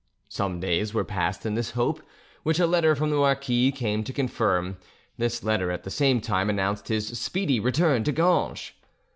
Some days were passed in this hope, which a letter from the marquis came to confirm; this letter at the same time announced his speedy return to Ganges.